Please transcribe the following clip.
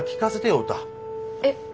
えっ？